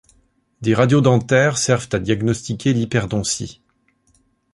Des radios dentaires servent à diagnostiquer l'hyperdontie.